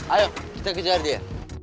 ayo kita kejar dia